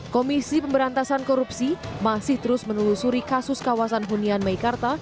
komisi pemberantasan korupsi masih terus menelusuri kasus kawasan hunian meikarta